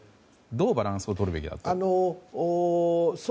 どうバランスをとるべきだと？